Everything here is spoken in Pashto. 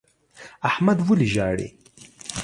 احمد ولي ژاړي؟